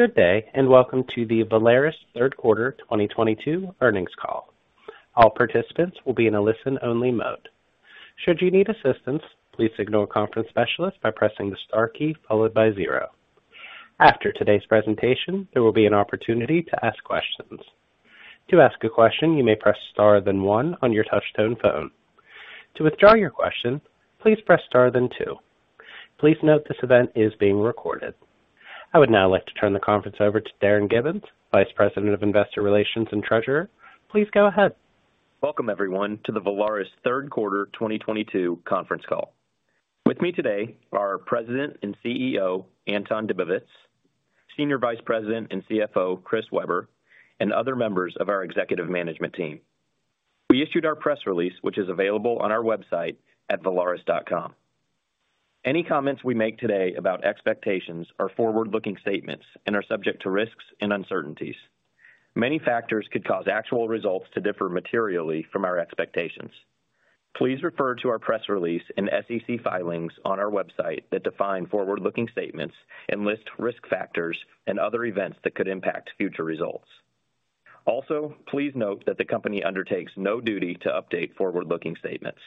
Good day, and welcome to the Valaris third quarter 2022 earnings call. All participants will be in a listen-only mode. Should you need assistance, please signal a conference specialist by pressing the star key followed by zero. After today's presentation, there will be an opportunity to ask questions. To ask a question, you may press star then one on your touchtone phone. To withdraw your question, please press star then two. Please note this event is being recorded. I would now like to turn the conference over to Darin Gibbins, Vice President of Investor Relations, and Treasurer. Please go ahead. Welcome, everyone, to the Valaris third quarter 2022 conference call. With me today are our President and CEO, Anton Dibowitz, Senior Vice President, and CFO, Chris Weber, and other members of our executive management team. We issued our press release, which is available on our website at valaris.com. Any comments we make today about expectations are forward-looking statements and are subject to risks and uncertainties. Many factors could cause actual results to differ materially from our expectations. Please refer to our press release and SEC filings on our website that define forward-looking statements and list risk factors and other events that could impact future results. Also, please note that the company undertakes no duty to update forward-looking statements.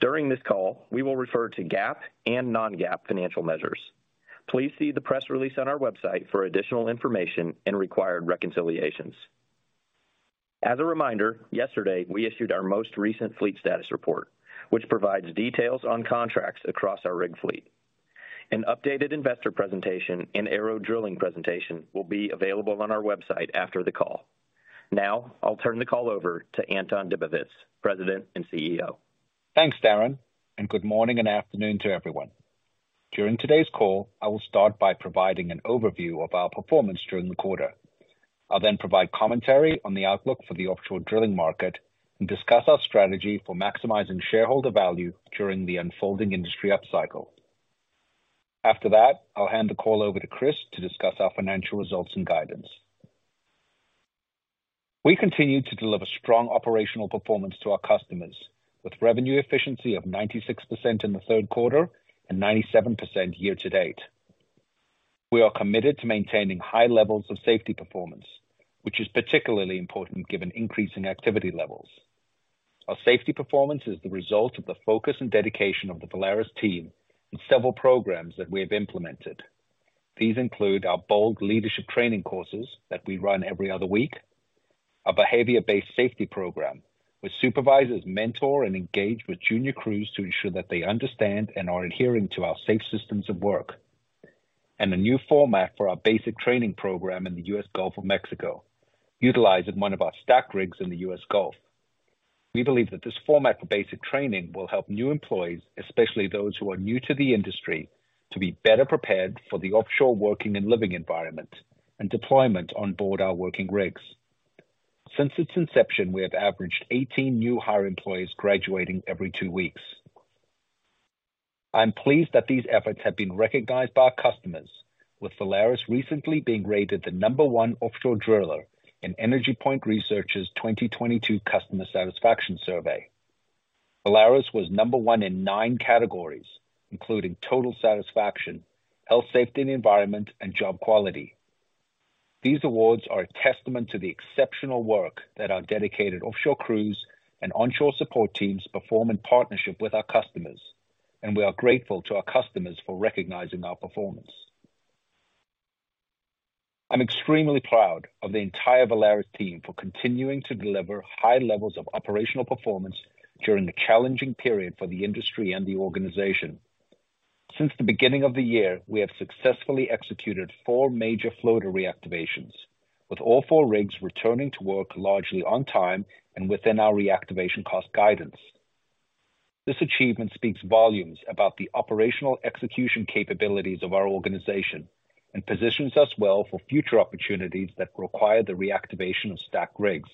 During this call, we will refer to GAAP and non-GAAP financial measures. Please see the press release on our website for additional information and required reconciliations. As a reminder, yesterday, we issued our most recent fleet status report, which provides details on contracts across our rig fleet. An updated investor presentation and ARO Drilling presentation will be available on our website after the call. Now I'll turn the call over to Anton Dibowitz, President, and CEO. Thanks, Darin, and good morning and afternoon to everyone. During today's call, I will start by providing an overview of our performance during the quarter. I'll then provide commentary on the outlook for the offshore drilling market and discuss our strategy for maximizing shareholder value during the unfolding industry upcycle. After that, I'll hand the call over to Chris to discuss our financial results and guidance. We continue to deliver strong operational performance to our customers with revenue efficiency of 96% in the third quarter and 97% year to date. We are committed to maintaining high levels of safety performance, which is particularly important given increasing activity levels. Our safety performance is the result of the focus and dedication of the Valaris team and several programs that we have implemented. These include our bold leadership training courses that we run every other week, our behavior-based safety program, which supervisors mentor and engage with junior crews to ensure that they understand and are adhering to our safe systems of work, and a new format for our basic training program in the U.S. Gulf of Mexico, utilized at one of our stacked rigs in the U.S. Gulf. We believe that this format for basic training will help new employees, especially those who are new to the industry, to be better prepared for the offshore working and living environment and deployment on board our working rigs. Since its inception, we have averaged 18 new hire employees graduating every two weeks. I'm pleased that these efforts have been recognized by our customers, with Valaris recently being rated the number one offshore driller in EnergyPoint Research's 2022 customer satisfaction survey. Valaris was number one in nine categories, including total satisfaction, health, safety and environment, and job quality. These awards are a testament to the exceptional work that our dedicated offshore crews and onshore support teams perform in partnership with our customers, and we are grateful to our customers for recognizing our performance. I'm extremely proud of the entire Valaris team for continuing to deliver high levels of operational performance during the challenging period for the industry and the organization. Since the beginning of the year, we have successfully executed four major floater reactivations, with all four rigs returning to work largely on time and within our reactivation cost guidance. This achievement speaks volumes about the operational execution capabilities of our organization and positions us well for future opportunities that require the reactivation of stacked rigs.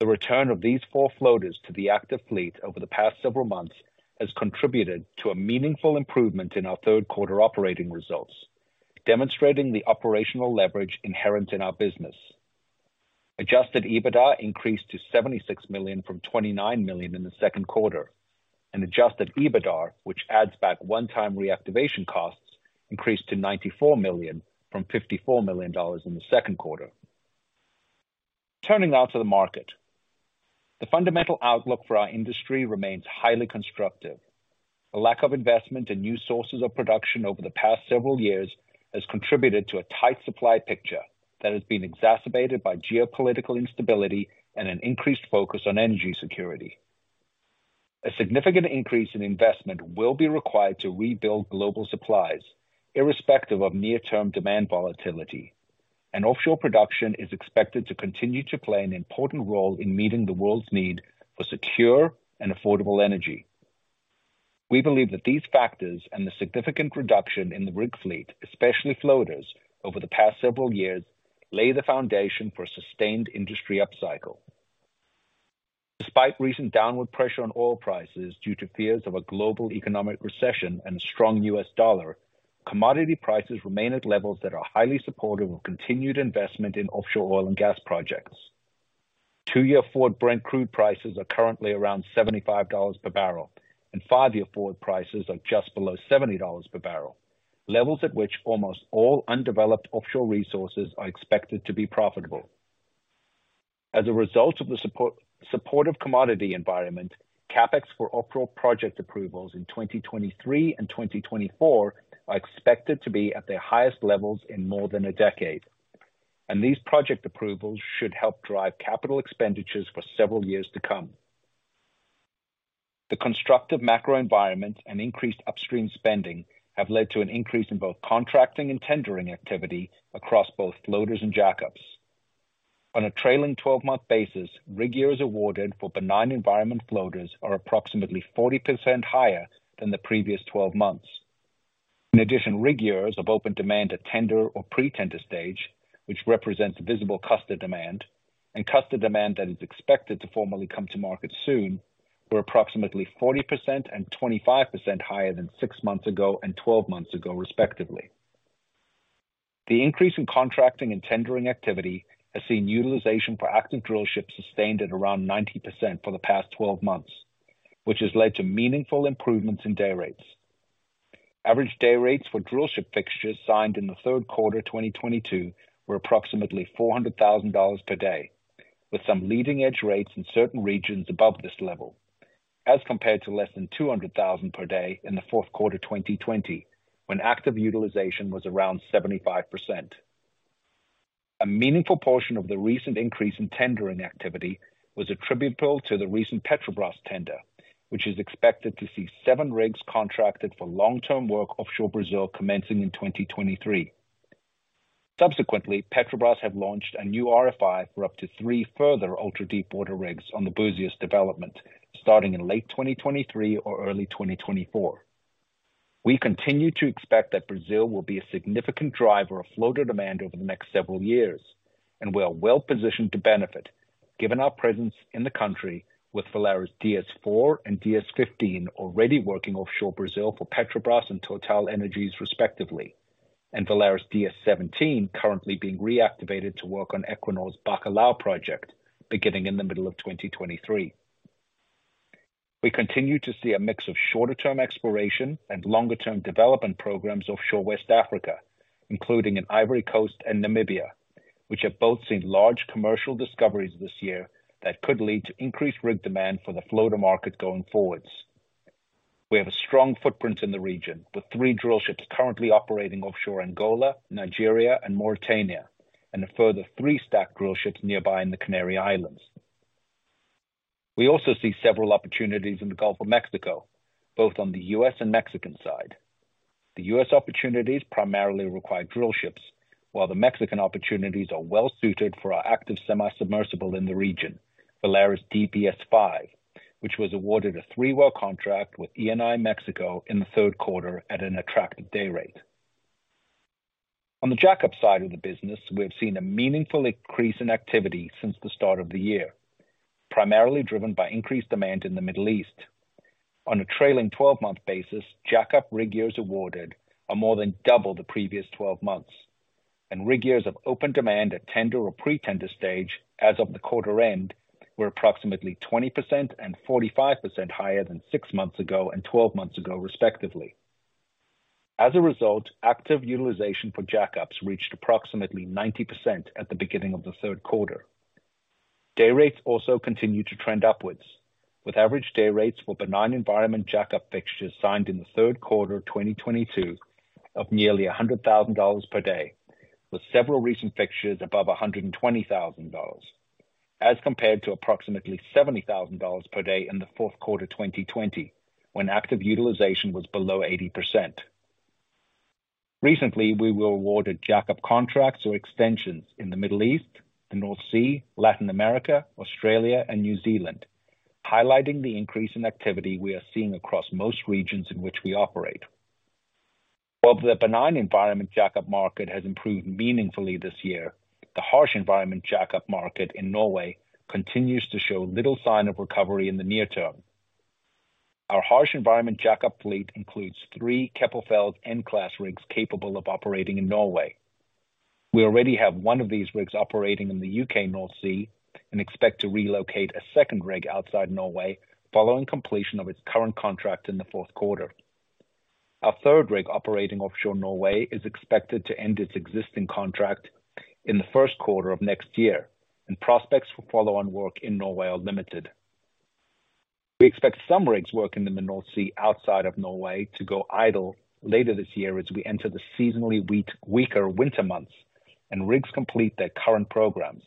The return of these four floaters to the active fleet over the past several months has contributed to a meaningful improvement in our third quarter operating results, demonstrating the operational leverage inherent in our business. Adjusted EBITDA increased to $76 million from $29 million in the second quarter, and adjusted EBITDAR, which adds back one-time reactivation costs, increased to $94 million from $54 million in the second quarter. Turning now to the market. The fundamental outlook for our industry remains highly constructive. A lack of investment in new sources of production over the past several years has contributed to a tight supply picture that has been exacerbated by geopolitical instability and an increased focus on energy security. A significant increase in investment will be required to rebuild global supplies irrespective of near-term demand volatility. Offshore production is expected to continue to play an important role in meeting the world's need for secure and affordable energy. We believe that these factors and the significant reduction in the rig fleet, especially floaters, over the past several years, lay the foundation for a sustained industry upcycle. Despite recent downward pressure on oil prices due to fears of a global economic recession and strong U.S. dollar, commodity prices remain at levels that are highly supportive of continued investment in offshore oil and gas projects. Two-year forward Brent crude prices are currently around $75 per barrels, and five-year forward prices are just below $70 per barrels, levels at which almost all undeveloped offshore resources are expected to be profitable. As a result of the supportive commodity environment, CapEx for offshore project approvals in 2023 and 2024 are expected to be at their highest levels in more than a decade, and these project approvals should help drive capital expenditures for several years to come. The constructive macro environment and increased upstream spending have led to an increase in both contracting and tendering activity across both floaters and Jack-Ups. On a trailing 12-month basis, rig years awarded for benign environment floaters are approximately 40% higher than the previous 12 months. In addition, rig years of open demand at tender or pre-tender stage, which represents visible customer demand, and customer demand that is expected to formally come to market soon, were approximately 40% and 25% higher than six months ago and 12 months ago, respectively. The increase in contracting and tendering activity has seen utilization for active drillships sustained at around 90% for the past 12 months, which has led to meaningful improvements in day rates. Average day rates for drillship fixtures signed in the third quarter 2022 were approximately $400,000 per day, with some leading-edge rates in certain regions above this level. As compared to less than $200,000 per day in the fourth quarter 2020, when active utilization was around 75%. A meaningful portion of the recent increase in tendering activity was attributable to the recent Petrobras tender, which is expected to see seven rigs contracted for long-term work offshore Brazil commencing in 2023. Subsequently, Petrobras have launched a new RFI for up to three further ultra-deepwater rigs on the Búzios development starting in late 2023 or early 2024. We continue to expect that Brazil will be a significant driver of floater demand over the next several years, and we are well-positioned to benefit given our presence in the country with Valaris DS-4 and DS-15 already working offshore Brazil for Petrobras and TotalEnergies respectively, and Valaris DS-17 currently being reactivated to work on Equinor's Bacalhau project beginning in the middle of 2023. We continue to see a mix of shorter-term exploration and longer-term development programs offshore West Africa, including in Ivory Coast, and Namibia, which have both seen large commercial discoveries this year that could lead to increased rig demand for the floater market going forward. We have a strong footprint in the region, with three drillships currently operating offshore Angola, Nigeria, and Mauritania, and a further three stacked drillships nearby in the Canary Islands. We also see several opportunities in the Gulf of Mexico, both on the U.S. and Mexican side. The U.S. opportunities primarily require drill ships, while the Mexican opportunities are well suited for our active semi-submersible in the region, Valaris DPS-5, which was awarded a three-well contract with Eni Mexico in the third quarter at an attractive day rate. On the Jack-Up side of the business, we have seen a meaningful increase in activity since the start of the year, primarily driven by increased demand in the Middle East. On a trailing 12-month basis, Jack-Up rig years awarded are more than double the previous 12 months, and rig years of open demand at tender or pre-tender stage as of the quarter end were approximately 20% and 45% higher than six months ago and 12 months ago, respectively. As a result, active utilization for Jack-Ups reached approximately 90% at the beginning of the third quarter. Day rates also continued to trend upwards, with average day rates for benign environment Jack-Up fixtures signed in the third quarter of 2022 of nearly $100,000 per day, with several recent fixtures above $120,000, as compared to approximately $70,000 per day in the fourth quarter of 2020 when active utilization was below 80%. Recently, we were awarded Jack-Up contracts or extensions in the Middle East, the North Sea, Latin America, Australia, and New Zealand, highlighting the increase in activity we are seeing across most regions in which we operate. While the benign environment Jack-Up market has improved meaningfully this year, the harsh environment Jack-Up market in Norway continues to show little sign of recovery in the near term. Our harsh environment Jack-Up fleet includes three Keppel FELS N-class rigs capable of operating in Norway. We already have one of these rigs operating in the U.K. North Sea and expect to relocate a second rig outside Norway following completion of its current contract in the fourth quarter. Our third rig operating offshore Norway is expected to end its existing contract in the first quarter of next year, and prospects for follow-on work in Norway are limited. We expect some rigs working in the North Sea outside of Norway to go idle later this year as we enter the seasonally weaker winter months and rigs complete their current programs.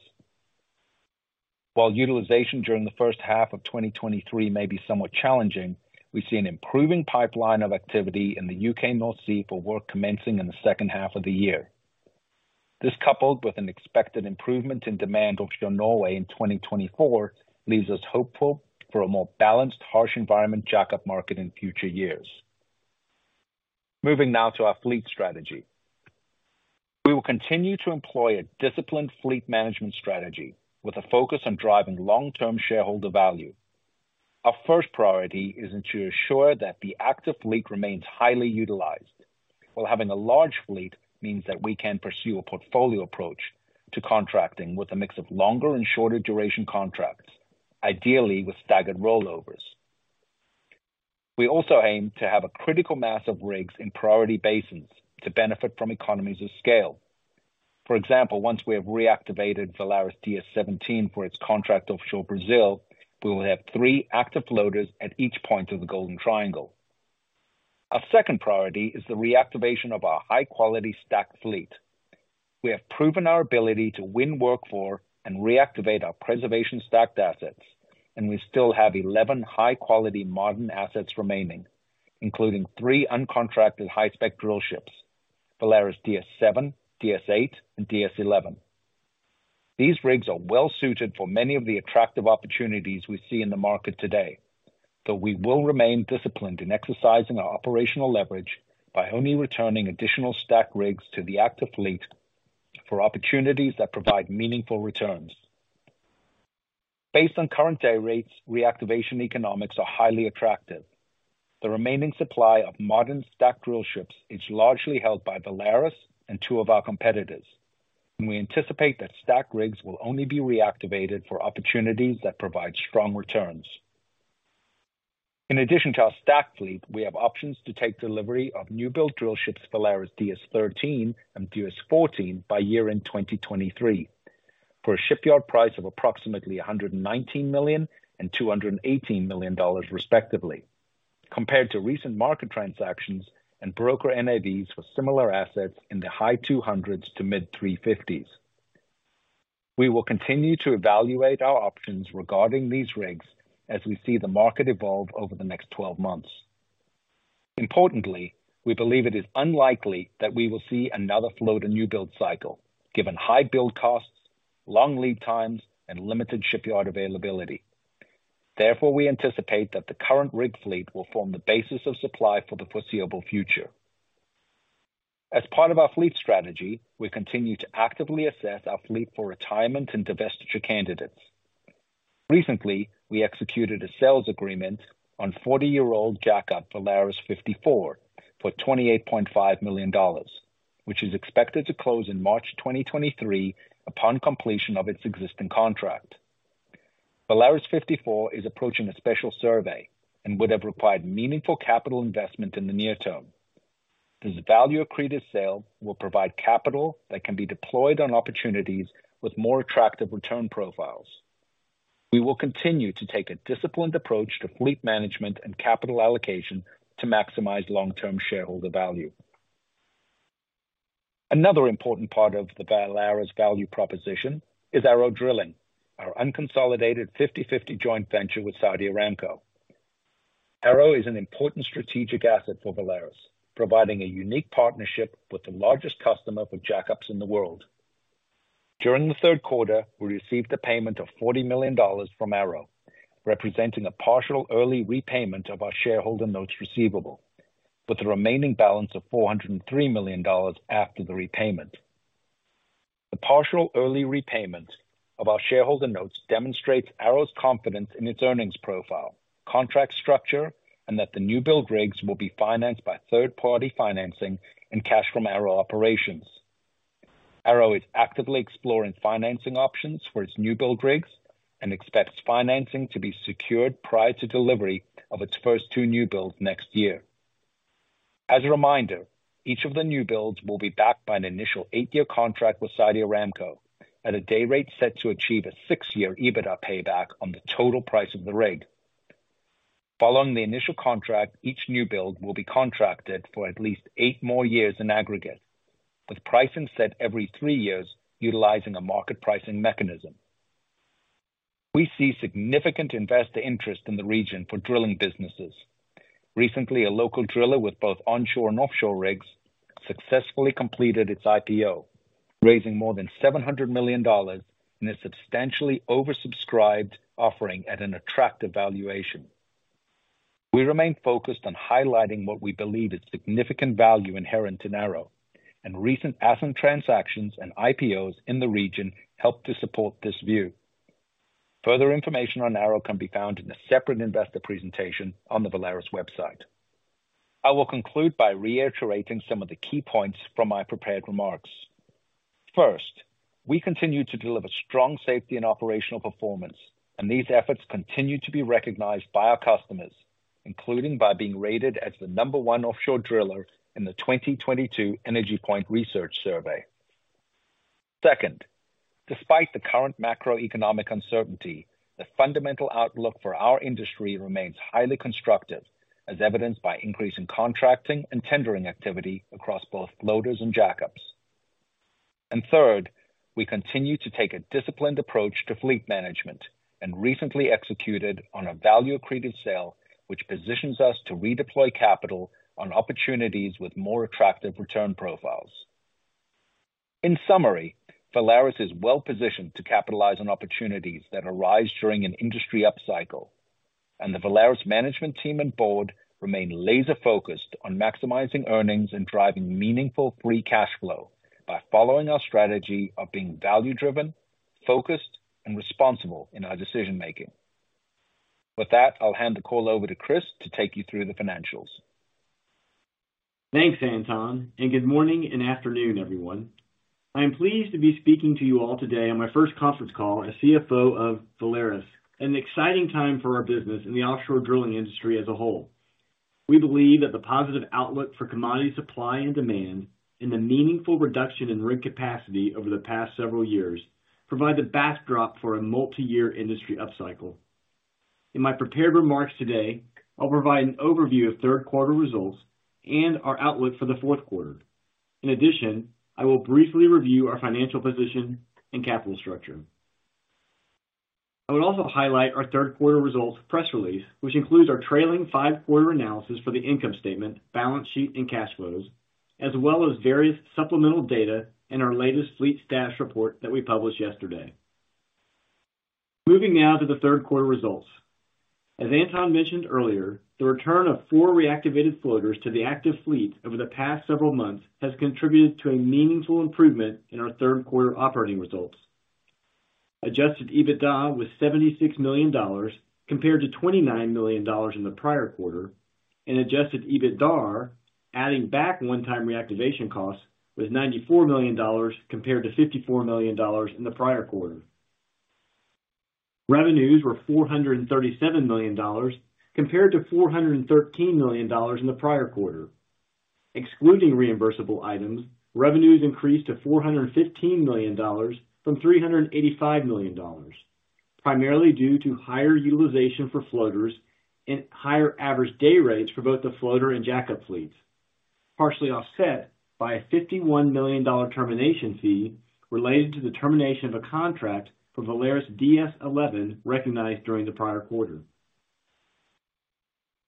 While utilization during the first half of 2023 may be somewhat challenging, we see an improving pipeline of activity in the U.K. North Sea for work commencing in the second half of the year. This, coupled with an expected improvement in demand offshore Norway in 2024, leaves us hopeful for a more balanced, harsh environment Jack-Up market in future years. Moving now to our fleet strategy. We will continue to employ a disciplined fleet management strategy with a focus on driving long-term shareholder value. Our first priority is to ensure that the active fleet remains highly utilized, while having a large fleet means that we can pursue a portfolio approach to contracting with a mix of longer and shorter duration contracts, ideally with staggered rollovers. We also aim to have a critical mass of rigs in priority basins to benefit from economies of scale. For example, once we have reactivated Valaris DS-17 for its contract offshore Brazil, we will have three active floaters at each point of the Golden Triangle. Our second priority is the reactivation of our high-quality stacked fleet. We have proven our ability to win work for and reactivate our preservation stacked assets, and we still have 11 high-quality modern assets remaining, including three uncontracted high-spec drill ships, Valaris DS-7, DS-8, and DS-11. These rigs are well suited for many of the attractive opportunities we see in the market today, but we will remain disciplined in exercising our operational leverage by only returning additional stacked rigs to the active fleet for opportunities that provide meaningful returns. Based on current day rates, reactivation economics are highly attractive. The remaining supply of modern stacked drill ships is largely held by Valaris and two of our competitors, and we anticipate that stacked rigs will only be reactivated for opportunities that provide strong returns. In addition to our stacked fleet, we have options to take delivery of new build drill ships Valaris DS-13 and DS-14 by year-end 2023 for a shipyard price of approximately $119 million and $218 million respectively, compared to recent market transactions and broker NAVs for similar assets in the high 200s to mid 350s. We will continue to evaluate our options regarding these rigs as we see the market evolve over the next 12 months. Importantly, we believe it is unlikely that we will see another floater new build cycle, given high build costs, long lead times, and limited shipyard availability. Therefore, we anticipate that the current rig fleet will form the basis of supply for the foreseeable future. As part of our fleet strategy, we continue to actively assess our fleet for retirement and divestiture candidates. Recently, we executed a sales agreement on 40-year-old Jack-Up Valaris 54 for $28.5 million, which is expected to close in March 2023 upon completion of its existing contract. Valaris 54 is approaching a special survey and would have required meaningful capital investment in the near term. This value accretive sale will provide capital that can be deployed on opportunities with more attractive return profiles. We will continue to take a disciplined approach to fleet management and capital allocation to maximize long-term shareholder value. Another important part of the Valaris value proposition is ARO Drilling, our unconsolidated 50/50 joint venture with Saudi Aramco. ARO is an important strategic asset for Valaris, providing a unique partnership with the largest customer for Jack-Ups in the world. During the third quarter, we received a payment of $40 million from ARO, representing a partial early repayment of our shareholder notes receivable, with the remaining balance of $403 million after the repayment. The partial early repayment of our shareholder notes demonstrates ARO's confidence in its earnings profile, contract structure, and that the new build rigs will be financed by third-party financing and cash from ARO operations. ARO is actively exploring financing options for its new build rigs and expects financing to be secured prior to delivery of its first two new builds next year. As a reminder, each of the new builds will be backed by an initial eight-year contract with Saudi Aramco at a day rate set to achieve a six-year EBITDA payback on the total price of the rig. Following the initial contract, each new build will be contracted for at least eight more years in aggregate, with pricing set every three years utilizing a market pricing mechanism. We see significant investor interest in the region for drilling businesses. Recently, a local driller with both onshore and offshore rigs successfully completed its IPO, raising more than $700 million in a substantially oversubscribed offering at an attractive valuation. We remain focused on highlighting what we believe is significant value inherent in ARO, and recent asset transactions and IPOs in the region help to support this view. Further information on ARO can be found in a separate investor presentation on the Valaris website. I will conclude by reiterating some of the key points from my prepared remarks. First, we continue to deliver strong safety and operational performance, and these efforts continue to be recognized by our customers, including by being rated as the number one offshore driller in the 2022 EnergyPoint Research survey. Second, despite the current macroeconomic uncertainty, the fundamental outlook for our industry remains highly constructive, as evidenced by increasing contracting and tendering activity across both floaters and Jack-Ups. Third, we continue to take a disciplined approach to fleet management and recently executed on a value-accreted sale, which positions us to redeploy capital on opportunities with more attractive return profiles. In summary, Valaris is well-positioned to capitalize on opportunities that arise during an industry upcycle. The Valaris management team and board remain laser-focused on maximizing earnings and driving meaningful free cash flow by following our strategy of being value-driven, focused, and responsible in our decision making. With that, I'll hand the call over to Chris to take you through the financials. Thanks, Anton, and good morning and afternoon, everyone. I am pleased to be speaking to you all today on my first conference call as CFO of Valaris, an exciting time for our business in the offshore drilling industry as a whole. We believe that the positive outlook for commodity supply and demand and the meaningful reduction in rig capacity over the past several years provide the backdrop for a multi-year industry upcycle. In my prepared remarks today, I'll provide an overview of third quarter results and our outlook for the fourth quarter. In addition, I will briefly review our financial position and capital structure. I would also highlight our third quarter results press release, which includes our trailing five-quarter analysis for the income statement, balance sheet, and cash flows, as well as various supplemental data in our latest fleet status report that we published yesterday. Moving now to the third quarter results. As Anton mentioned earlier, the return of four reactivated floaters to the active fleet over the past several months has contributed to a meaningful improvement in our third quarter operating results. Adjusted EBITDA was $76 million compared to $29 million in the prior quarter, and adjusted EBITDAR, adding back one-time reactivation costs, was $94 million compared to $54 million in the prior quarter. Revenues were $437 million compared to $413 million in the prior quarter. Excluding reimbursable items, revenues increased to $415 million from $385 million, primarily due to higher utilization for floaters and higher average day rates for both the floater and Jack-Up fleets, partially offset by a $51 million termination fee related to the termination of a contract for Valaris DS-11 recognized during the prior quarter.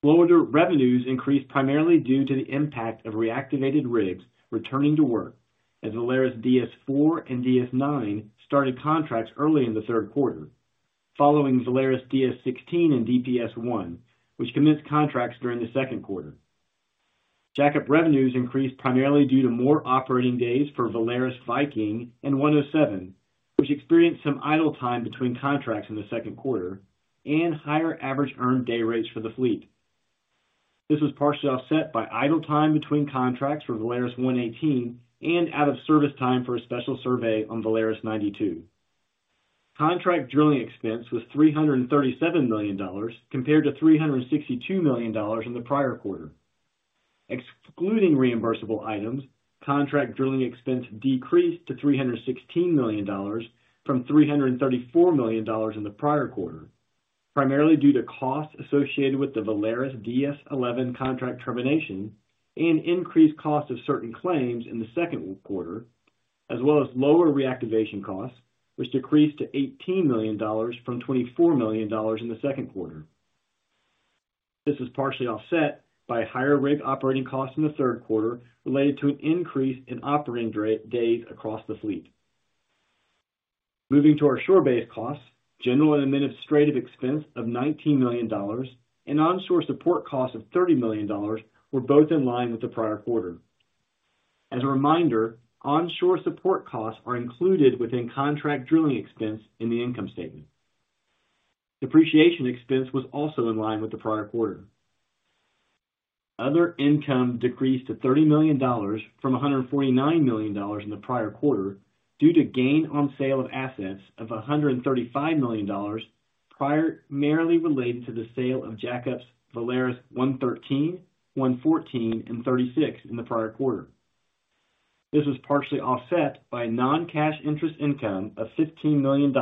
Floater revenues increased primarily due to the impact of reactivated rigs returning to work as Valaris DS-4 and Valaris DS-9 started contracts early in the third quarter, following Valaris DS-16 and Valaris DPS-1, which commenced contracts during the second quarter. Jack-Up revenues increased primarily due to more operating days for Valaris Viking and Valaris 107, which experienced some idle time between contracts in the second quarter and higher average earned day rates for the fleet. This was partially offset by idle time between contracts for Valaris 118 and out of service time for a special survey on Valaris 92. Contract drilling expense was $337 million compared to $362 million in the prior quarter. Excluding reimbursable items, contract drilling expense decreased to $316 million from $334 million in the prior quarter, primarily due to costs associated with the Valaris DS-11 contract termination and increased cost of certain claims in the second quarter, as well as lower reactivation costs, which decreased to $18 million from $24 million in the second quarter. This was partially offset by higher rig operating costs in the third quarter related to an increase in operating days across the fleet. Moving to our shore-based costs, general and administrative expense of $19 million and onshore support costs of $30 million were both in line with the prior quarter. As a reminder, onshore support costs are included within contract drilling expense in the income statement. Depreciation expense was also in line with the prior quarter. Other income decreased to $30 million from $149 million in the prior quarter due to gain on sale of assets of $135 million primarily related to the sale of Jack-Ups Valaris 113, 114, and 36 in the prior quarter. This was partially offset by non-cash interest income of $15 million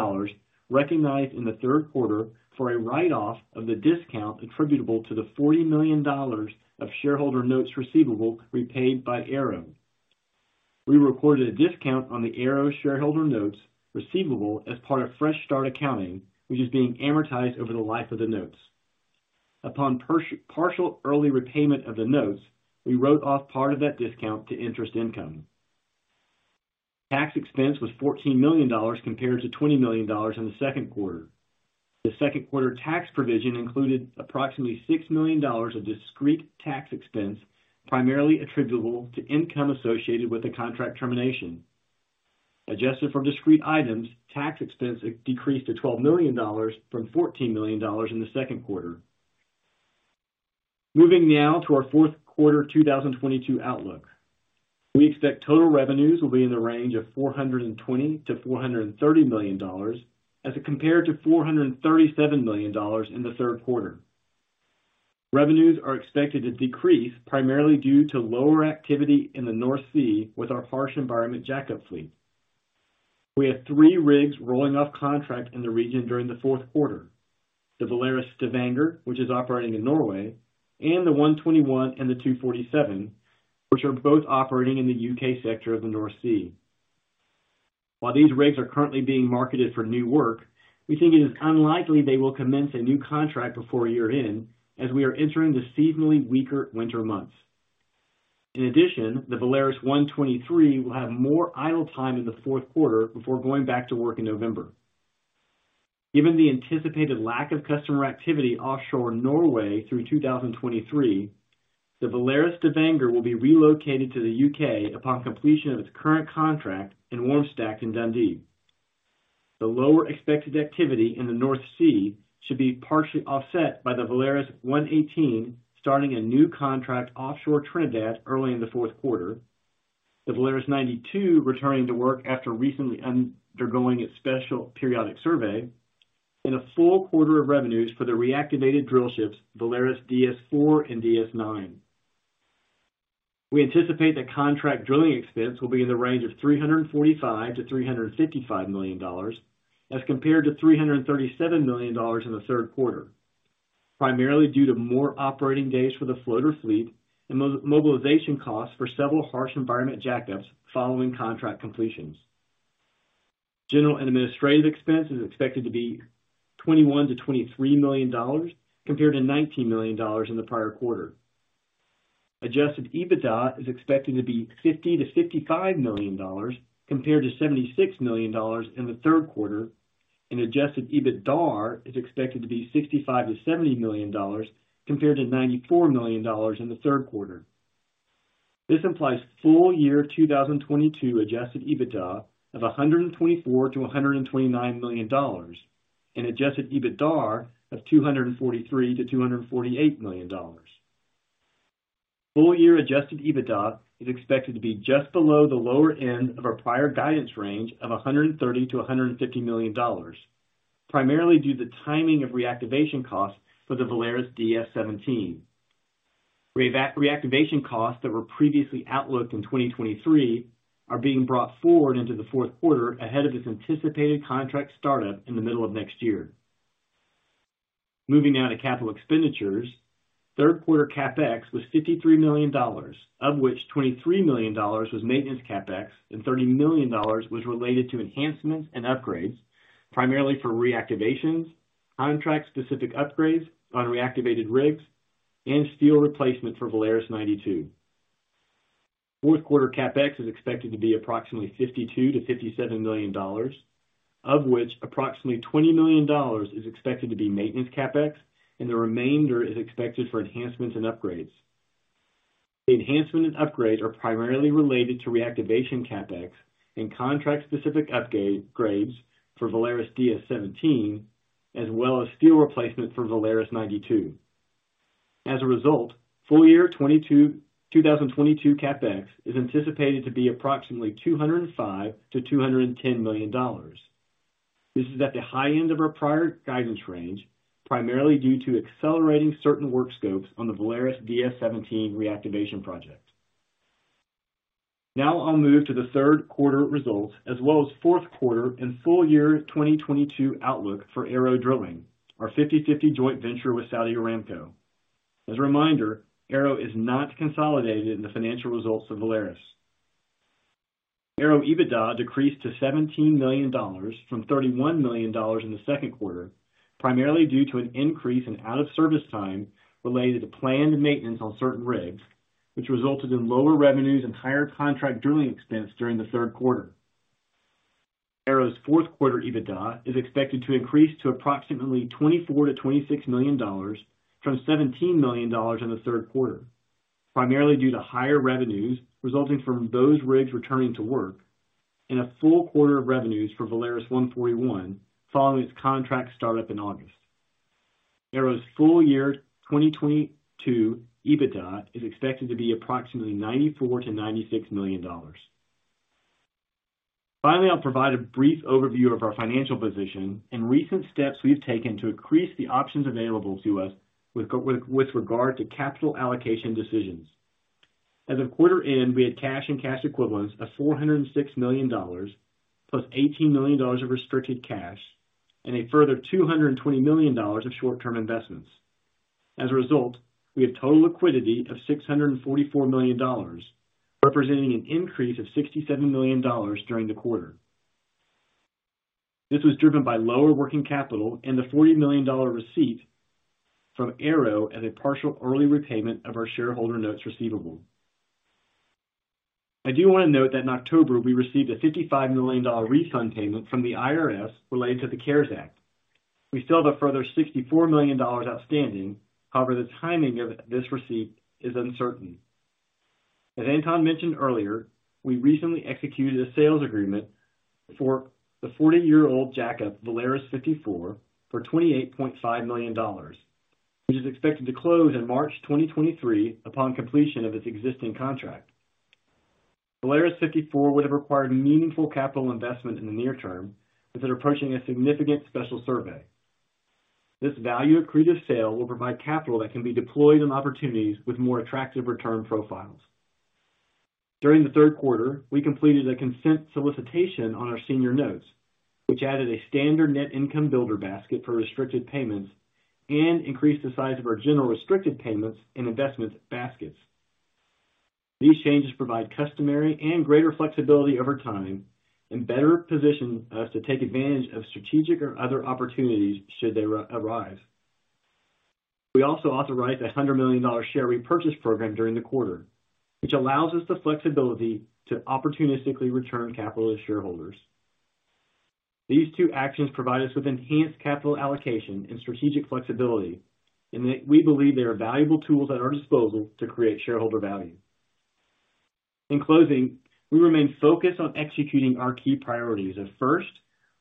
recognized in the third quarter for a write off of the discount attributable to the $40 million of shareholder notes receivable repaid by ARO. We recorded a discount on the ARO shareholder notes receivable as part of fresh start accounting, which is being amortized over the life of the notes. Upon partial early repayment of the notes, we wrote off part of that discount to interest income. Tax expense was $14 million compared to $20 million in the second quarter. The second quarter tax provision included approximately $6 million of discrete tax expense, primarily attributable to income associated with the contract termination. Adjusted for discrete items, tax expense decreased to $12 million from $14 million in the second quarter. Moving now to our fourth quarter 2022 outlook. We expect total revenues will be in the range of $420 million-$430 million as compared to $437 million in the third quarter. Revenues are expected to decrease primarily due to lower activity in the North Sea with our harsh environment jack-up fleet. We have three rigs rolling off contract in the region during the fourth quarter. The Valaris Stavanger, which is operating in Norway, and the 121 and the 247, which are both operating in the U.K. sector of the North Sea. While these rigs are currently being marketed for new work, we think it is unlikely they will commence a new contract before year-end as we are entering the seasonally weaker winter months. In addition, the Valaris 123 will have more idle time in the fourth quarter before going back to work in November. Given the anticipated lack of customer activity offshore Norway through 2023, the Valaris Stavanger will be relocated to the U.K. Upon completion of its current contract and warm stacked in Dundee. The lower expected activity in the North Sea should be partially offset by the Valaris 118 starting a new contract offshore Trinidad early in the fourth quarter, the Valaris 92 returning to work after recently undergoing its special periodic survey, and a full quarter of revenues for the reactivated drillships Valaris DS-4 and DS-9. We anticipate the contract drilling expense will be in the range of $345 million-$355 million as compared to $337 million in the third quarter, primarily due to more operating days for the floater fleet and mobilization costs for several harsh environment Jack-Ups following contract completions. General and administrative expense is expected to be $21-$23 million compared to $19 million in the prior quarter. Adjusted EBITDA is expected to be $50-$55 million compared to $76 million in the third quarter, and adjusted EBITDAR is expected to be $65-$70 million compared to $94 million in the third quarter. This implies full year 2022 adjusted EBITDA of $124-$129 million and adjusted EBITDAR of $243-$248 million. Full year adjusted EBITDA is expected to be just below the lower end of our prior guidance range of $130-$150 million, primarily due to the timing of reactivation costs for the Valaris DS-17. Reactivation costs that were previously outlooked in 2023 are being brought forward into the fourth quarter ahead of its anticipated contract startup in the middle of next year. Moving now to capital expenditures. Third quarter CapEx was $53 million, of which $23 million was maintenance CapEx and $30 million was related to enhancements and upgrades, primarily for reactivations, contract-specific upgrades on reactivated rigs, and steel replacement for Valaris 92. Fourth quarter CapEx is expected to be approximately $52-$57 million, of which approximately $20 million is expected to be maintenance CapEx and the remainder is expected for enhancements and upgrades. The enhancement and upgrades are primarily related to reactivation CapEx and contract-specific upgrades for Valaris DS-17, as well as steel replacement for Valaris 92. As a result, full year 2022 CapEx is anticipated to be approximately $205 million-$210 million. This is at the high end of our prior guidance range, primarily due to accelerating certain work scopes on the Valaris DS-17 reactivation project. Now I'll move to the third quarter results as well as fourth quarter and full year 2022 outlook for ARO Drilling, our 50/50 joint venture with Saudi Aramco. As a reminder, ARO is not consolidated in the financial results of Valaris. ARO EBITDA decreased to $17 million from $31 million in the second quarter, primarily due to an increase in out of service time related to planned maintenance on certain rigs, which resulted in lower revenues and higher contract drilling expense during the third quarter. ARO's fourth quarter EBITDA is expected to increase to approximately $24 million-$26 million from $17 million in the third quarter, primarily due to higher revenues resulting from those rigs returning to work and a full quarter of revenues for Valaris 141 following its contract start-up in August. ARO's full year 2022 EBITDA is expected to be approximately $94 million-$96 million. Finally, I'll provide a brief overview of our financial position and recent steps we've taken to increase the options available to us with regard to capital allocation decisions. As of quarter end, we had cash and cash equivalents of $406 million, plus $18 million of restricted cash, and a further $220 million of short-term investments. As a result, we have total liquidity of $644 million, representing an increase of $67 million during the quarter. This was driven by lower working capital and the $40 million receipt from ARO as a partial early repayment of our shareholder notes receivable. I do wanna note that in October, we received a $55 million refund payment from the IRS relating to the CARES Act. We still have a further $64 million outstanding, however, the timing of this receipt is uncertain. As Anton mentioned earlier, we recently executed a sales agreement for the 40-year-old Jack-Up, Valaris 54, for $28.5 million, which is expected to close in March 2023 upon completion of its existing contract. Valaris 54 would have required meaningful capital investment in the near term as it approaching a significant special survey. This value-accretive sale will provide capital that can be deployed on opportunities with more attractive return profiles. During the third quarter, we completed a consent solicitation on our senior notes, which added a standard net income builder basket for restricted payments and increased the size of our general restricted payments and investments baskets. These changes provide customary and greater flexibility over time and better position us to take advantage of strategic or other opportunities should they arrive. We also authorized a $100 million share repurchase program during the quarter, which allows us the flexibility to opportunistically return capital to shareholders. These two actions provide us with enhanced capital allocation and strategic flexibility, and we believe they are valuable tools at our disposal to create shareholder value. In closing, we remain focused on executing our key priorities of first,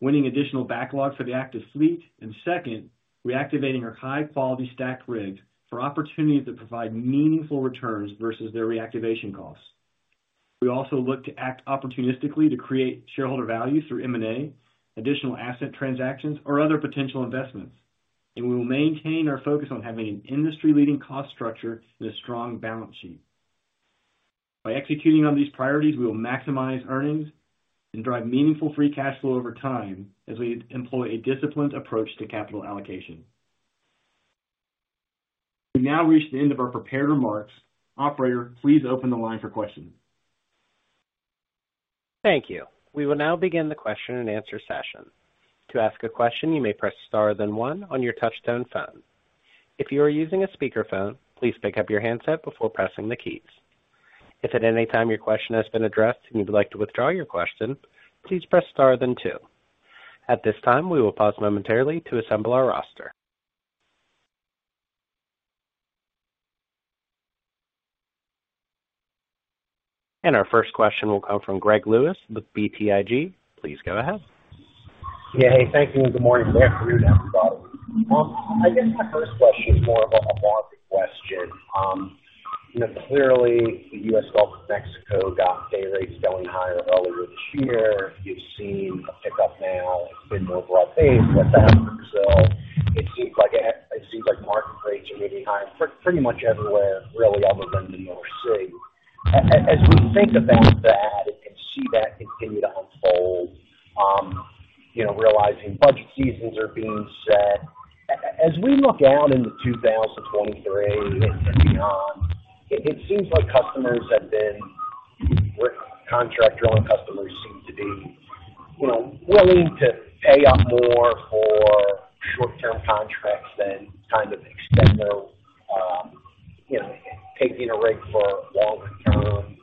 winning additional backlog for the active fleet, and second, reactivating our high-quality stacked rigs for opportunities that provide meaningful returns versus their reactivation costs. We also look to act opportunistically to create shareholder value through M&A, additional asset transactions or other potential investments. We will maintain our focus on having an industry-leading cost structure and a strong balance sheet. By executing on these priorities, we will maximize earnings and drive meaningful free cash flow over time as we employ a disciplined approach to capital allocation. We've now reached the end of our prepared remarks. Operator, please open the line for questions. Thank you. We will now begin the question-and-answer session. To ask a question, you may press star then one on your touchtone phone. If you are using a speakerphone, please pick up your handset before pressing the keys. If at any time your question has been addressed and you would like to withdraw your question, please press star then two. At this time, we will pause momentarily to assemble our roster. Our first question will come from Greg Lewis with BTIG. Please go ahead. Hey, thank you, and good morning or afternoon to everybody. I guess my first question is more of a market question. You know, clearly, the U.S. Gulf of Mexico got day rates going higher earlier this year. You've seen a pickup now in the overall basin with that in Brazil. It seems like market rates are moving higher pretty much everywhere, really other than the North Sea. As we think about that and see that continue to unfold, you know, realizing budget seasons are being set, as we look out into 2023 and beyond, it seems like contract drilling customers seem to be, you know, willing to pay up more for short-term contracts than kind of extend their, you know, taking a rig for longer term.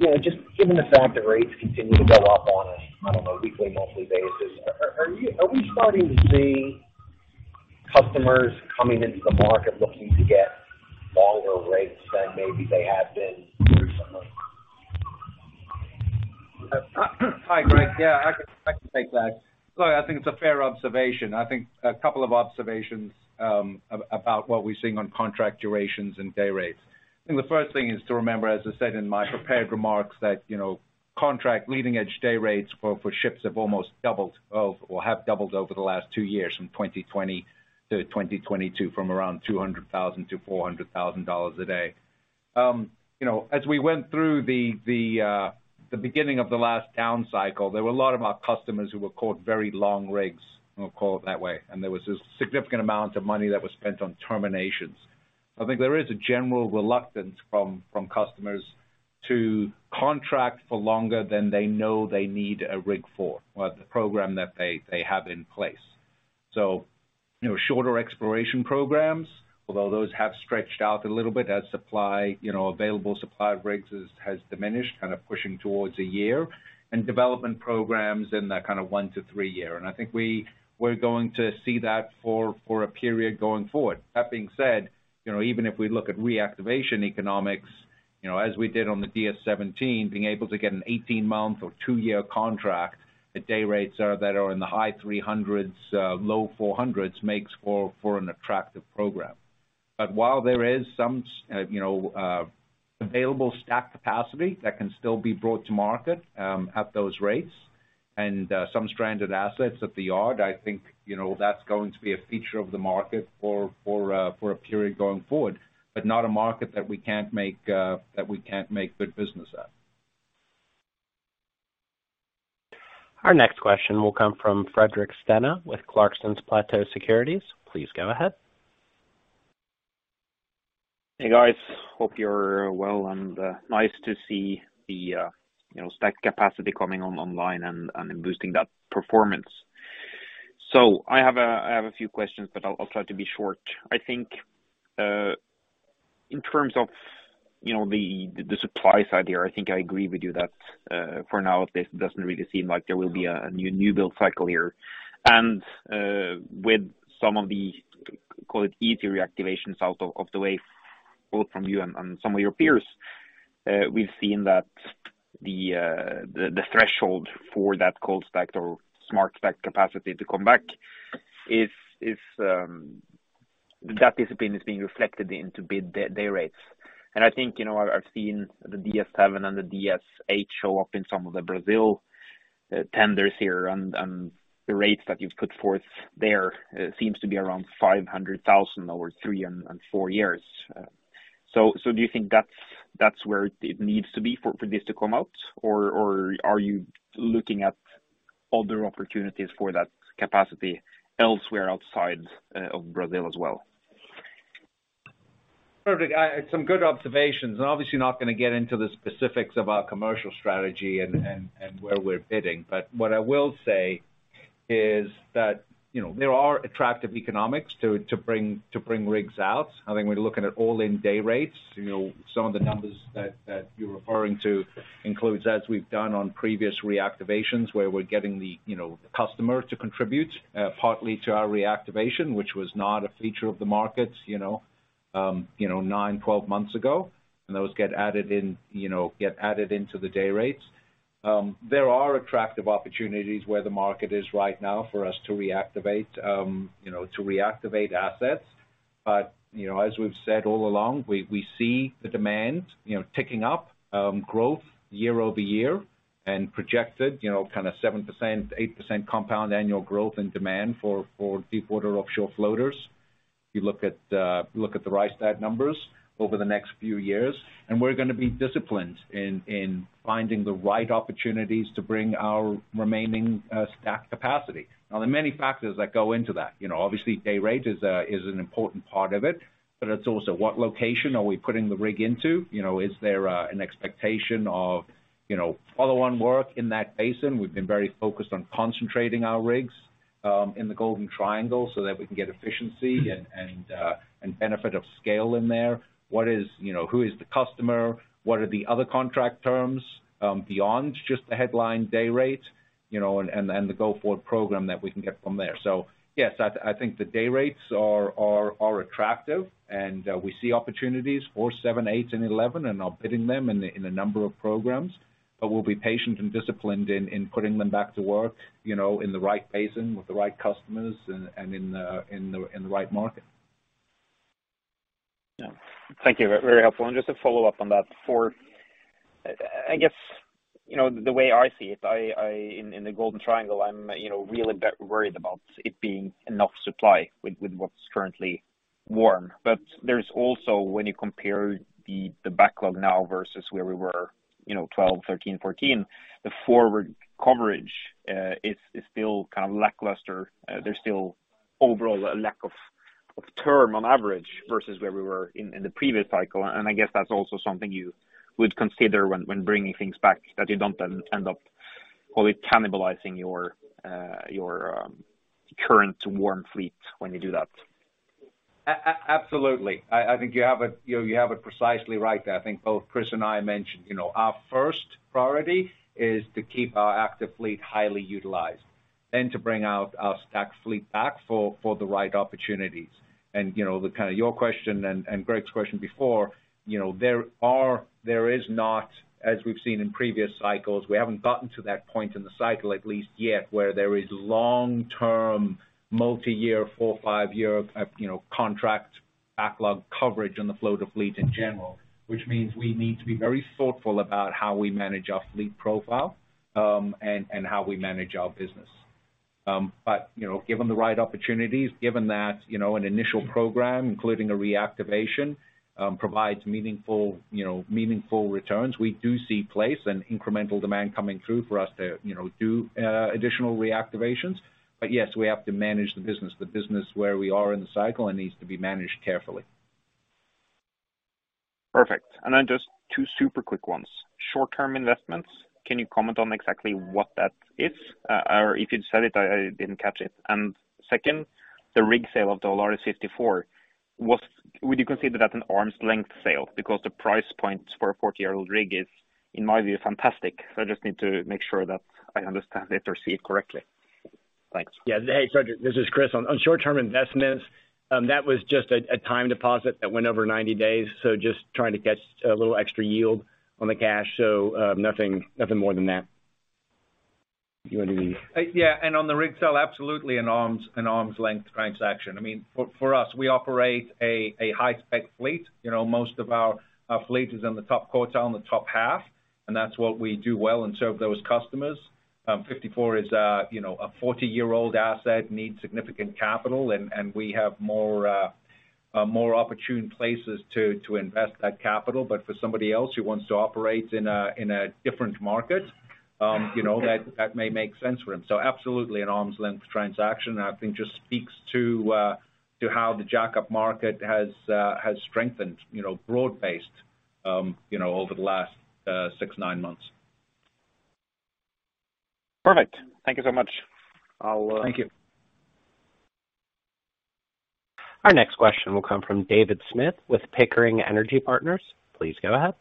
You know, just given the fact that rates continue to go up on a, I don't know, weekly, monthly basis, are we starting to see customers coming into the market looking to get longer rates than maybe they have been recently? Hi, Greg. Yeah, I can take that. I think it's a fair observation. I think a couple of observations about what we're seeing on contract durations and day rates. I think the first thing is to remember, as I said in my prepared remarks, that contract leading-edge day rates for ships have almost doubled or have doubled over the last two years from 2020-2022, from around $200,000-$400,000 a day. As we went through the beginning of the last down cycle, there were a lot of our customers who were caught very long rigs, we'll call it that way, and there was a significant amount of money that was spent on terminations. I think there is a general reluctance from customers to contract for longer than they know they need a rig for or the program that they have in place. You know, shorter exploration programs, although those have stretched out a little bit as supply, you know, available supply of rigs has diminished, kind of pushing towards a year, and development programs in that kind of one-three-year. I think we're going to see that for a period going forward. That being said, you know, even if we look at reactivation economics, you know, as we did on the DS-17, being able to get an 18-month or two-year contract at day rates that are in the high $300s, low $400s makes for an attractive program. While there is some available stack capacity that can still be brought to market at those rates and some stranded assets at the yard, I think, you know, that's going to be a feature of the market for a period going forward, but not a market that we can't make good business at. Our next question will come from Fredrik Stene with Clarksons Platou Securities. Please go ahead. Hey, guys. Hope you're well, and nice to see the stacked capacity coming online and boosting that performance. I have a few questions, but I'll try to be short. I think in terms of the supply side here, I think I agree with you that for now, this doesn't really seem like there will be a new build cycle here. With some of the, call it, easier reactivations out of the way, both from you and some of your peers, we've seen that the threshold for that cold stacked or smart stacked capacity to come back is that discipline is being reflected into bid day rates. I think, you know, I've seen the DS-7 and the DS-8 show up in some of the Brazil tenders here, and the rates that you've put forth there seems to be around $500,000 over three-four years. So do you think that's where it needs to be for this to come out? Or are you looking at other opportunities for that capacity elsewhere outside of Brazil as well? Fredrik, some good observations, and obviously not gonna get into the specifics of our commercial strategy and where we're bidding. What I will say is that, you know, there are attractive economics to bring rigs out. I think when you're looking at all-in day rates, you know, some of the numbers that you're referring to include, as we've done on previous reactivations, where we're getting the, you know, the customer to contribute partly to our reactivation, which was not a feature of the markets, you know, nine, 12 months ago. Those get added into the day rates. There are attractive opportunities where the market is right now for us to reactivate assets. You know, as we've said all along, we see the demand, you know, ticking up, growth year-over-year and projected, you know, kind of 7%, 8% compound annual growth in demand for deepwater offshore floaters. If you look at the Rystad numbers over the next few years, and we're gonna be disciplined in finding the right opportunities to bring our remaining stacked capacity. Now, there are many factors that go into that. You know, obviously, day rate is an important part of it, but it's also what location are we putting the rig into. You know, is there an expectation of, you know, follow-on work in that basin. We've been very focused on concentrating our rigs in the Golden Triangle so that we can get efficiency and benefit of scale in there. What is, you know, who is the customer? What are the other contract terms, beyond just the headline day rate, you know, and the go-forward program that we can get from there. Yes, I think the day rates are attractive, and we see opportunities for seven, eight, and 11, and are bidding them in a number of programs. We'll be patient and disciplined in putting them back to work, you know, in the right basin with the right customers and in the right market. Yeah. Thank you. Very helpful. Just to follow up on that, I guess, you know, the way I see it, in the Golden Triangle, I'm really worried about it being enough supply with what's currently warm. But there's also, when you compare the backlog now versus where we were, you know, 2012, 2013, 2014, the forward coverage is still kind of lackluster. There's still overall a lack of term on average versus where we were in the previous cycle. I guess that's also something you would consider when bringing things back that you don't end up probably cannibalizing your current warm fleet when you do that. Absolutely. I think you have it precisely right there. I think both Chris and I mentioned, you know, our first priority is to keep our active fleet highly utilized and to bring out our stacked fleet back for the right opportunities. You know, the kind of your question and Greg's question before, you know, there is not, as we've seen in previous cycles, we haven't gotten to that point in the cycle, at least yet, where there is long-term multi-year, four, five-year, you know, contract backlog coverage on the floater fleet in general, which means we need to be very thoughtful about how we manage our fleet profile, and how we manage our business. You know, given the right opportunities, given that, you know, an initial program, including a reactivation, provides meaningful, you know, returns, we do see a place for incremental demand coming through for us to, you know, do additional reactivations. Yes, we have to manage the business. The business where we are in the cycle, it needs to be managed carefully. Perfect. Just two super quick ones. Short-term investments, can you comment on exactly what that is? Or if you'd said it, I didn't catch it. Second, the rig sale of the Valaris 54, would you consider that an arm's length sale? Because the price point for a 40-year-old rig is, in my view, fantastic. I just need to make sure that I understand it or see it correctly. Thanks. Yeah. Hey, Fredrik, this is Chris. On short-term investments, that was just a time deposit that went over 90 days. Just trying to get a little extra yield on the cash. Nothing more than that. You want to do the. Yeah. On the rig sale, absolutely an arm's length transaction. I mean, for us, we operate a high-spec fleet. You know, most of our fleet is in the top quartile, in the top half, and that's what we do well and serve those customers. 54 is, you know, a 40-year-old asset, needs significant capital, and we have more opportune places to invest that capital. For somebody else who wants to operate in a different market, you know, that may make sense for them. Absolutely an arm's length transaction, I think, just speaks to how the Jack-p market has strengthened, you know, broad-based, you know, over the last six-nine months. Perfect. Thank you so much. I'll Thank you. Our next question will come from David Smith with Pickering Energy Partners. Please go ahead.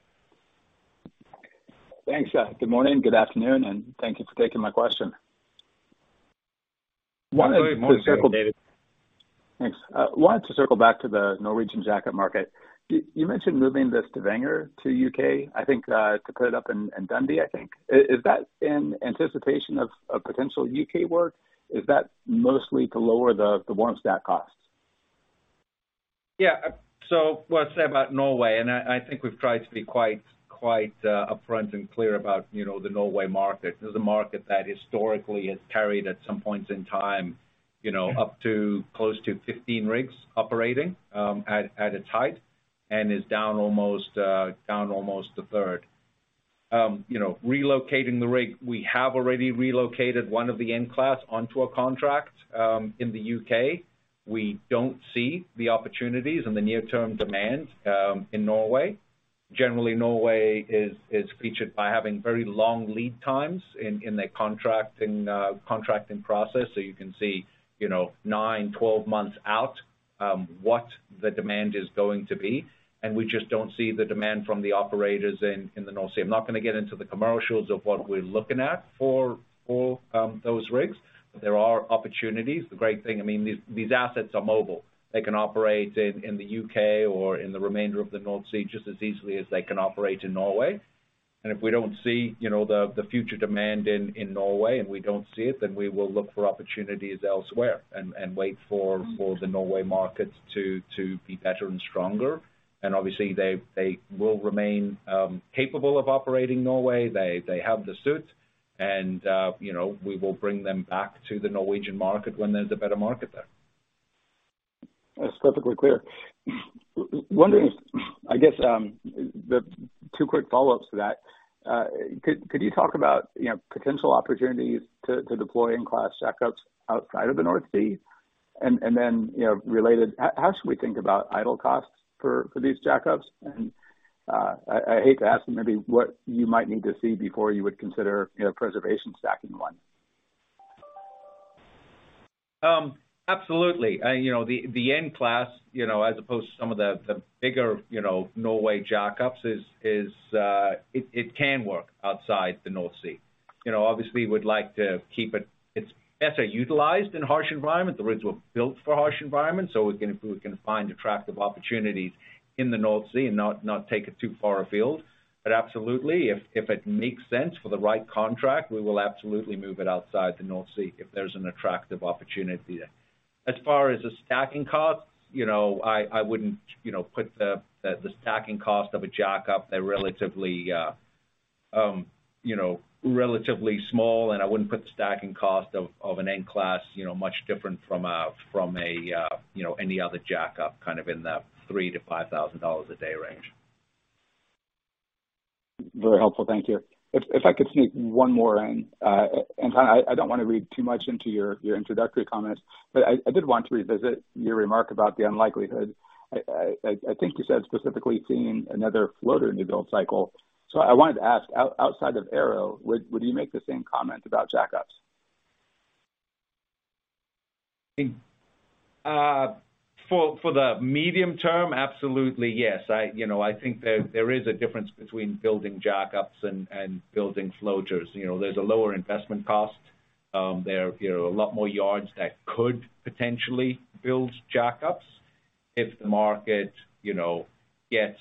Thanks. Good morning, good afternoon, and thank you for taking my question. Wanted to circle. Good morning, David. Thanks. Wanted to circle back to the Norwegian Jack-Up market. You mentioned moving the Stavanger to U.K., I think, to put it up in Dundee, I think. Is that in anticipation of potential U.K. work? Is that mostly to lower the warm stack costs? Yeah. What I said about Norway, and I think we've tried to be quite upfront and clear about, you know, the Norway market. This is a market that historically has carried, at some points in time, you know, up to close to 15 rigs operating, at its height and is down almost 1/3. You know, relocating the rig, we have already relocated one of the N-Class onto a contract in the U.K. We don't see the opportunities and the near-term demand in Norway. Generally, Norway is featured by having very long lead times in the contracting process. You can see, you know, nine, 12 months out, what the demand is going to be, and we just don't see the demand from the operators in the North Sea. I'm not gonna get into the commercials of what we're looking at for those rigs, but there are opportunities. The great thing, I mean, these assets are mobile. They can operate in the U.K. or in the remainder of the North Sea just as easily as they can operate in Norway. If we don't see, you know, the future demand in Norway, and we don't see it, then we will look for opportunities elsewhere and wait for the Norwegian market to be better and stronger. Obviously, they will remain capable of operating in Norway. They have the suit and, you know, we will bring them back to the Norwegian market when there's a better market there. That's perfectly clear. Wondering, I guess, the two quick follow-ups to that. Could you talk about, you know, potential opportunities to deploy N-Class Jack-Ups outside of the North Sea? Then, you know, related, how should we think about idle costs for these Jack-Ups? I hate to ask maybe what you might need to see before you would consider, you know, preservation stacking one. Absolutely. You know, the N-Class, you know, as opposed to some of the bigger, you know, Norway Jack-Ups is it can work outside the North Sea. You know, obviously we'd like to keep it. It's better utilized in harsh environment. The rigs were built for harsh environments, so we can if we can find attractive opportunities in the North Sea and not take it too far afield. But absolutely, if it makes sense for the right contract, we will absolutely move it outside the North Sea if there's an attractive opportunity there. As far as the stacking costs, you know, I wouldn't, you know, put the stacking cost of a Jack-Up. They're relatively, you know, relatively small, and I wouldn't put the stacking cost of an N-Class, you know, much different from a, you know, any other Jack-Up, kind of in the $3,000-$5,000 a day range. Very helpful. Thank you. If I could sneak one more in. Anton, I don't wanna read too much into your introductory comments, but I think you said specifically seeing another floater in the build cycle. I wanted to ask, outside of ARO, would you make the same comment about Jack-Ups? For the medium term, absolutely yes. You know, I think there is a difference between building Jack-Ups and building floaters. You know, there's a lower investment cost. You know, a lot more yards that could potentially build Jack-Ups if the market gets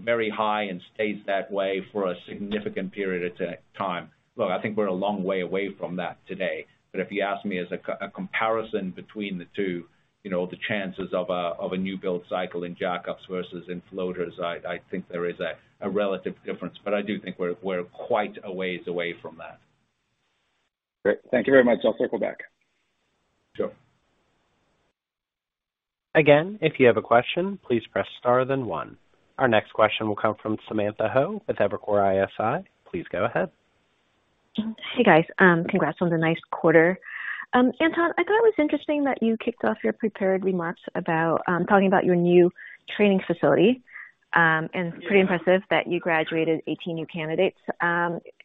very high and stays that way for a significant period of time. Look, I think we're a long way away from that today, but if you ask me as a comparison between the two, you know, the chances of a new build cycle in Jack-Ups versus in floaters, I think there is a relative difference, but I do think we're quite a ways away from that. Great. Thank you very much. I'll circle back. Sure. Again, if you have a question, please press star then one. Our next question will come from Samantha Hoh with Evercore ISI. Please go ahead. Hey, guys. Congrats on the nice quarter. Anton, I thought it was interesting that you kicked off your prepared remarks about talking about your new training facility, and pretty impressive that you graduated 18 new candidates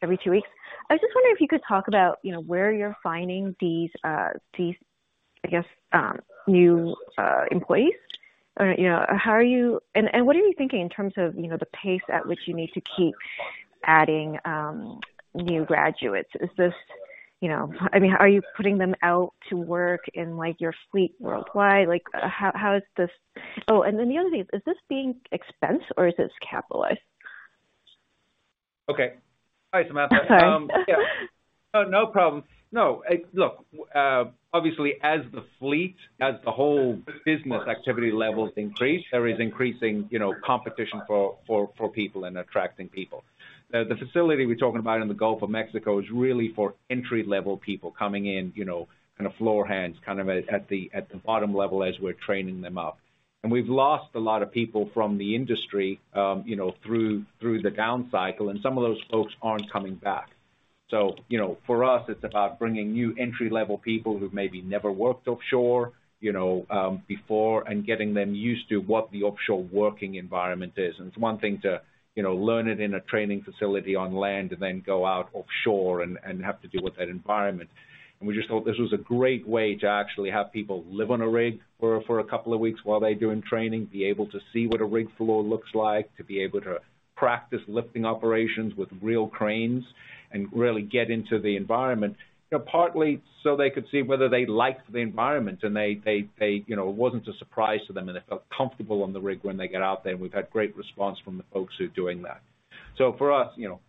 every two weeks. I was just wondering if you could talk about, you know, where you're finding these, I guess, new employees. Or, you know, what are you thinking in terms of, you know, the pace at which you need to keep adding new graduates? Is this, you know. I mean, are you putting them out to work in, like, your fleet worldwide? Like, how is this. Oh, and then the other thing, is this being expensed or is this capitalized? Okay. Hi, Samantha. Hi. Yeah. No, no problem. No. Look, obviously as the fleet, as the whole business activity levels increase, there is increasing, you know, competition for people and attracting people. The facility we're talking about in the Gulf of Mexico is really for entry-level people coming in, you know, kind of floor hands, kind of at the bottom level as we're training them up. We've lost a lot of people from the industry, you know, through the down cycle, and some of those folks aren't coming back. You know, for us, it's about bringing new entry-level people who've maybe never worked offshore, you know, before, and getting them used to what the offshore working environment is. It's one thing to, you know, learn it in a training facility on land and then go out offshore and have to deal with that environment. We just thought this was a great way to actually have people live on a rig for a couple of weeks while they're doing training, be able to see what a rig floor looks like, to be able to practice lifting operations with real cranes and really get into the environment. You know, partly so they could see whether they liked the environment and they, you know, it wasn't a surprise to them and they felt comfortable on the rig when they get out there, and we've had great response from the folks who are doing that. For us, you know,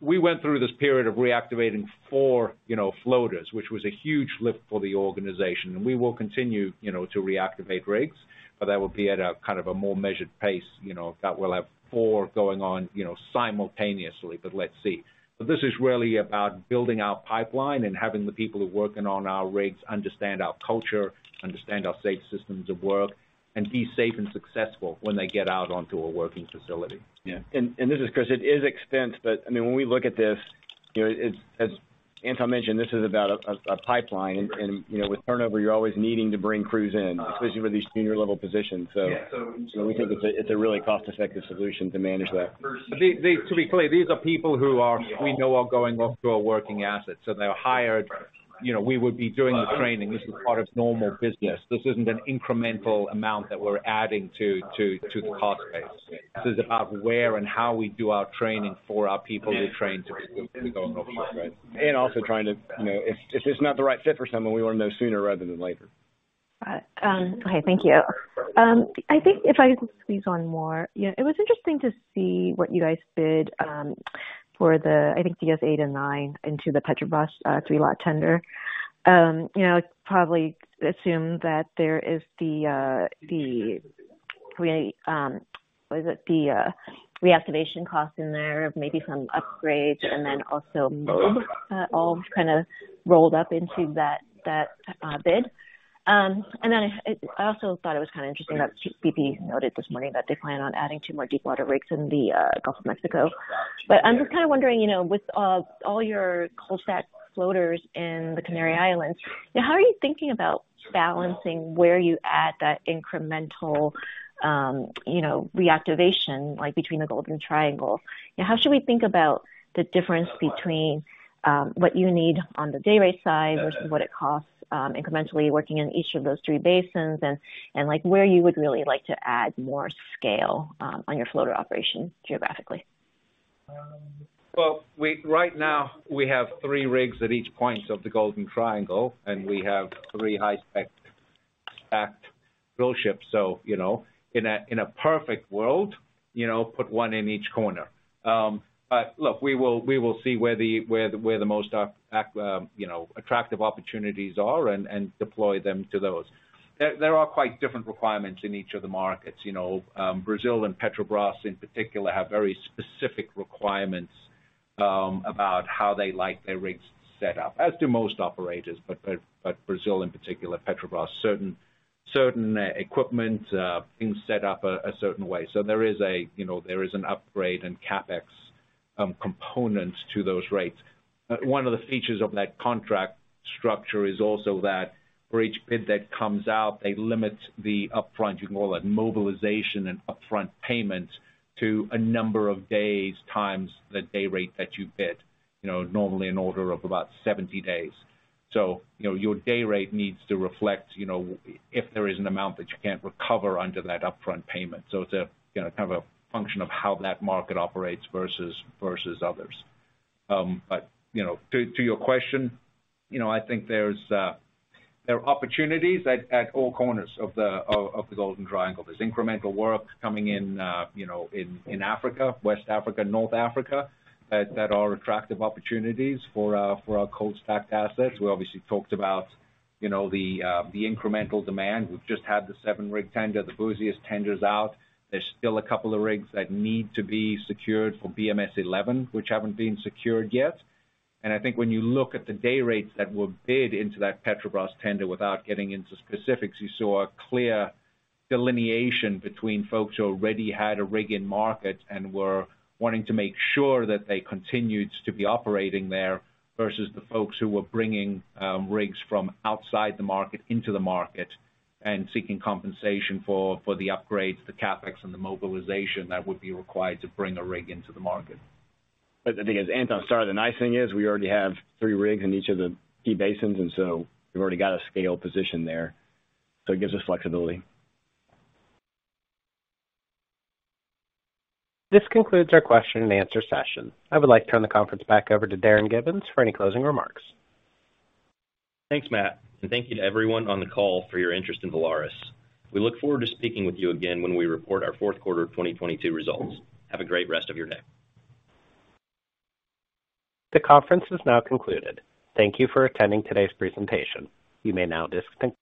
we went through this period of reactivating four, you know, floaters, which was a huge lift for the organization. We will continue, you know, to reactivate rigs, but that will be at a kind of a more measured pace, you know, that we'll have four going on, you know, simultaneously, but let's see. This is really about building our pipeline and having the people who are working on our rigs understand our culture, understand our safe systems of work, and be safe and successful when they get out onto a working facility. Yeah. This is Chris. It is an expense, but I mean, when we look at this, you know, as Anton mentioned, this is about a pipeline. You know, with turnover, you're always needing to bring crews in, especially for these senior level positions. We think it's a really cost-effective solution to manage that. To be clear, these are people who we know are going off to a working asset, so they're hired. You know, we would be doing the training. This is part of normal business. This isn't an incremental amount that we're adding to the cost base. This is about where and how we do our training for our people we train to go offshore. Right. Also trying to, you know, if it's not the right fit for someone, we wanna know sooner rather than later. Okay, thank you. I think if I squeeze one more. Yeah, it was interesting to see what you guys did for the, I think DS-8 and DS-9 into the Petrobras three-lot tender. You know, probably assume that there is the reactivation cost in there, maybe some upgrades, and then also mob all kind of rolled up into that bid. I also thought it was kind of interesting that BP noted this morning that they plan on adding two more deepwater rigs in the Gulf of Mexico. I'm just kind of wondering, you know, with all your cold-stacked floaters in the Canary Islands, how are you thinking about balancing where you add that incremental, you know, reactivation, like between the Golden Triangle? How should we think about the difference between what you need on the day rate side versus what it costs incrementally working in each of those three basins and like where you would really like to add more scale on your floater operation geographically? Well, right now, we have three rigs at each point of the Golden Triangle, and we have three high-spec drillships. You know, in a perfect world, you know, put one in each corner. Look, we will see where the most attractive opportunities are and deploy them to those. There are quite different requirements in each of the markets. You know, Brazil and Petrobras in particular have very specific requirements about how they like their rigs set up, as do most operators. Brazil in particular, Petrobras, certain equipment, things set up a certain way. There is, you know, an upgrade in CapEx components to those rates. One of the features of that contract structure is also that for each bid that comes out, they limit the upfront, you can call it mobilization and upfront payments to a number of days times the day rate that you bid, you know, normally an order of about 70 days. You know, your day rate needs to reflect, you know, if there is an amount that you can't recover under that upfront payment. It's a, you know, kind of a function of how that market operates versus others. You know, to your question, you know, I think there's there are opportunities at all corners of the Golden Triangle. There's incremental work coming in, you know, in Africa, West Africa, North Africa, that are attractive opportunities for our cold stacked assets. We obviously talked about, you know, the incremental demand. We've just had the seven-rig tender, the busiest tender's out. There's still a couple of rigs that need to be secured for BM-S-11, which haven't been secured yet. I think when you look at the day rates that were bid into that Petrobras tender without getting into specifics, you saw a clear delineation between folks who already had a rig in market and were wanting to make sure that they continued to be operating there versus the folks who were bringing rigs from outside the market into the market and seeking compensation for the upgrades, the CapEx, and the mobilization that would be required to bring a rig into the market. I think as Anton started, the nice thing is we already have three rigs in each of the key basins, and so we've already got a scale position there, so it gives us flexibility. This concludes our question-and-answer session. I would like to turn the conference back over to Darin Gibbins for any closing remarks. Thanks, Matt, and thank you to everyone on the call for your interest in Valaris. We look forward to speaking with you again when we report our fourth quarter of 2022 results. Have a great rest of your day. The conference is now concluded. Thank you for attending today's presentation. You may now disconnect.